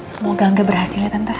semoga gak berhasil ya